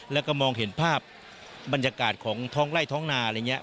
แล้วก็มองเห็นภาพบรรยากาศของท้องไล่ท้องนาอะไรอย่างนี้